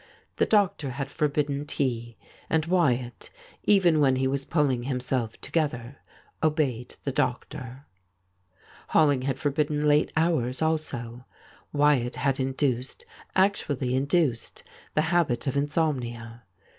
The doctor had forbidden tea, and Wyattj even when he was pulling himself together, obeyed the doctor. Rolling had forbidden late hours also. Wyatt had induced— actually induced — the habit of insomnia.